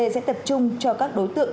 sẽ tập trung cho các đối tượng